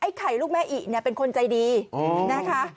ไอ้ไข่ลูกแม่อิเป็นคนใจดีนะคะ